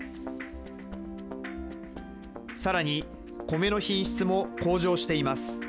さらに米の品質も向上しています。